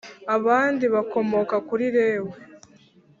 Abandi bakomoka kuri Lewi